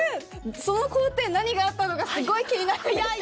その行程何があったのかすごい気になるんですけど。